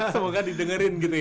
semoga didengerin gitu ya